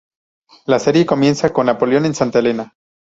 La serie comienza con Napoleón en Santa Helena.